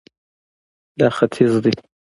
دا ختیځ دی